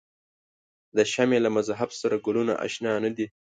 د شمعې له مذهب سره ګلونه آشنا نه دي.